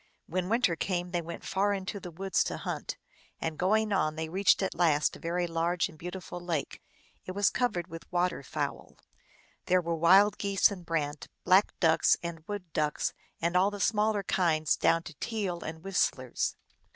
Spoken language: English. When winter came they went far into the woods to hunt. And going on, they reached at last a very large and beautiful lake. It was cov ered with water fowl. There were wild geese and brant, black ducks and wood ducks, and all the smaller kinds down to teal and whistlers.